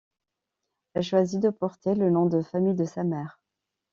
Elle choisit de porter le nom de famille de sa mère.